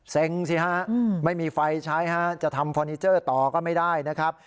สิฮะไม่มีไฟใช้ฮะจะทำฟอร์นิเจอร์ต่อก็ไม่ได้นะครับ